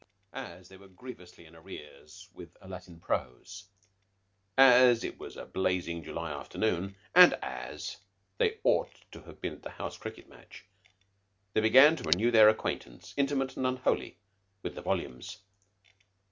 As they were grievously in arrears with a Latin prose, as it was a blazing July afternoon, and as they ought to have been at a house cricket match, they began to renew their acquaintance, intimate and unholy, with the volumes.